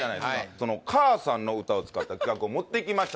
その「かあさんの歌」を使った企画を持ってきました